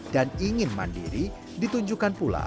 dan ingin mandiri ditunjukkan pula